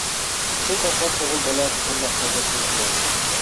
پۇل تاپقان ئوغۇل بالا قانداق خەجلەشنىمۇ بىلەر.